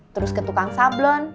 terus ke tukang sablon